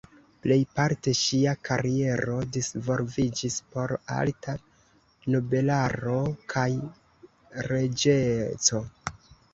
Plejparte ŝia kariero disvolviĝis por alta nobelaro kaj reĝeco.